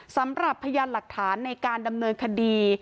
สำหรับพยานหลักฐานในการดำเนินคดี